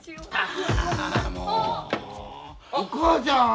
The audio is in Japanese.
お母ちゃん！